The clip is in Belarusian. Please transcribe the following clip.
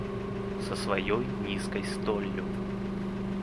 Са сваёй нізкай столлю.